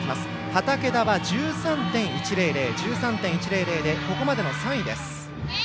畠田は１３．１００でここまでの３位です。